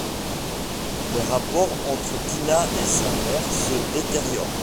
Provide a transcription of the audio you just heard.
Les rapports entre Tina et sa mère se détériorent.